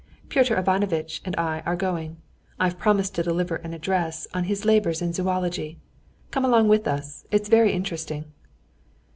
"Pyotr Ivanovitch and I were going. I've promised to deliver an address on his labors in zoology. Come along with us, it's very interesting."